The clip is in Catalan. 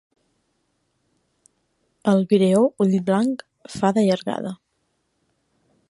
El vireó ullblanc fa de llargada.